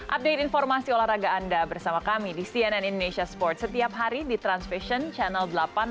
update informasi olahraga anda bersama kami di cnn indonesia sport setiap hari di transvision channel delapan